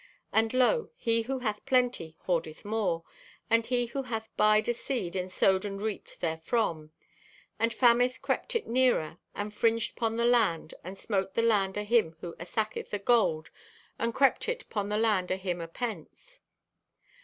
And lo, he who hath plenty hoardeth more, and he who had little buyed o' seed and sowed and reaped therefrom. And famine crept it nearer and fringed 'pon the land and smote the land o' him who asacketh o' gold and crept it 'pon the land o' him o' pence.